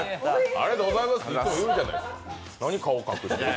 ありがとうございますっていっつも言うじゃないですか。